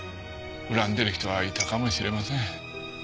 恨んでる人はいたかもしれません。